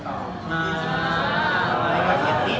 ก็คือเจ้าเม่าคืนนี้